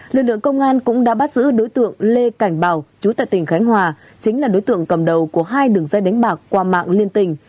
lực lượng công an cũng đã bắt giữ đối tượng lê cảnh bảo chú tại tỉnh khánh hòa chính là đối tượng cầm đầu của hai đường dây đánh bạc qua mạng liên tỉnh